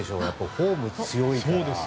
ホーム、強いから。